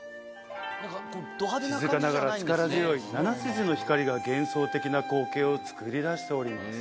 静かながら力強い７筋の光が幻想的な光景をつくり出しております。